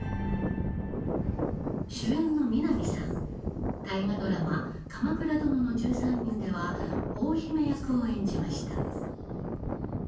主演の南さん大河ドラマ「鎌倉殿の１３人」では大姫役を演じました。